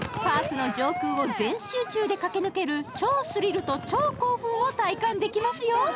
パークの上空を全集中で駆け抜ける超スリルと超興奮を体感できますよ